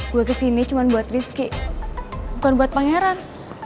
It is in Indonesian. gue kesini cuma buat rizky bukan buat pangeran